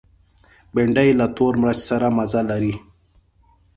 بېنډۍ له تور مرچ سره مزه لري